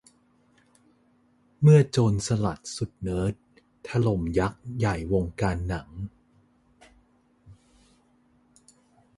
เมื่อโจรสลัดสุดเนิร์ด ถล่มยักษ์ใหญ่วงการหนัง